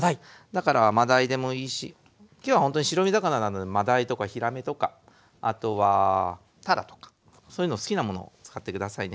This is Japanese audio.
だからマダイでもいいし今日はほんとに白身魚なのでマダイとかヒラメとかあとはタラとかそういうの好きなものを使って下さいね。